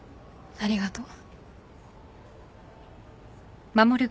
ありがとう。